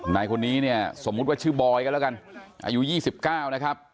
นายคนนี้เนี่ยสมมติว่าชื่อบอยกันแล้วกันอายุยี่สิบเก้านะครับ